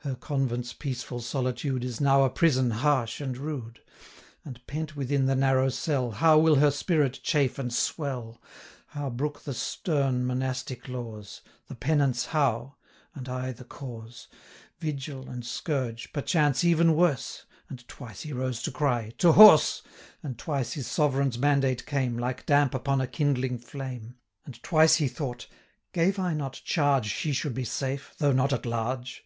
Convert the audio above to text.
Her convent's peaceful solitude 290 Is now a prison harsh and rude; And, pent within the narrow cell, How will her spirit chafe and swell! How brook the stern monastic laws! The penance how and I the cause! 295 Vigil, and scourge perchance even worse!' And twice he rose to cry, 'To horse!' And twice his Sovereign's mandate came, Like damp upon a kindling flame; And twice he thought, 'Gave I not charge 300 She should be safe, though not at large?